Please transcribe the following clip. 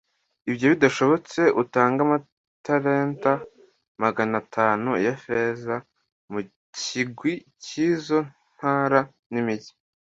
ibyo bidashobotse, utange amatalenta magana atanu ya feza mu kigwi cy'izo ntara n'imigi